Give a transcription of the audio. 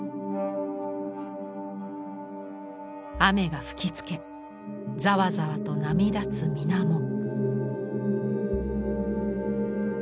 雨が吹きつけざわざわと波立つ水面。